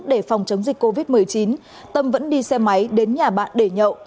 để phòng chống dịch covid một mươi chín tâm vẫn đi xe máy đến nhà bạn để nhậu